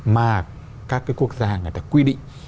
mà các cái quốc gia người ta quy định